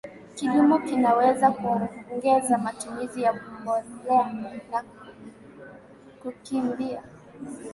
Kilimo kinaweza kuongeza matumizi ya mbolea na kukimbia